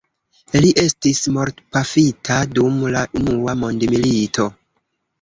Li estis mortpafita dum la unua mondmilito.